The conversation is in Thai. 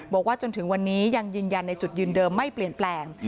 บอกว่าจนถึงวันนี้ยังยืนยันในจุดยืนเดิมไม่เปลี่ยนแปลง